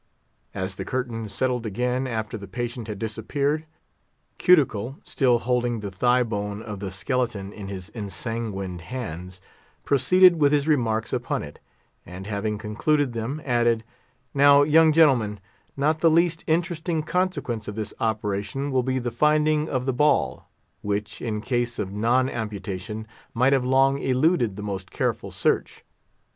As the curtain settled again after the patient had disappeared, Cuticle, still holding the thigh bone of the skeleton in his ensanguined hands, proceeded with his remarks upon it; and having concluded them, added, "Now, young gentlemen, not the least interesting consequence of this operation will be the finding of the ball, which, in case of non amputation, might have long eluded the most careful search.